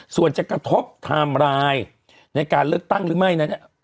ส่วนจะกระทบไทม์ไลน์ในการเลือกตั้งหรือไม่นั้น